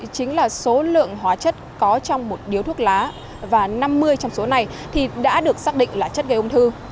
hai trăm năm mươi chính là số lượng hóa chất có trong một điếu thuốc lá và năm mươi trong số này thì đã được xác định là chất gây ung thư